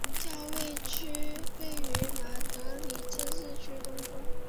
教区位于马德里自治区东部。